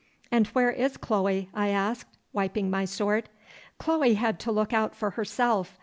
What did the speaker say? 'And where is Chloe?' I asked, wiping my sword. 'Chloe had to look out for herself.